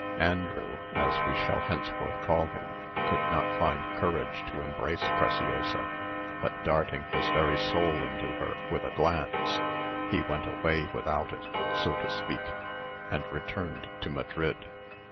Andrew (as we shall henceforth call him) could not find courage to embrace Preciosa, but darting his very soul into her with a glance, he went away without it, so to speak, and returned to Madrid.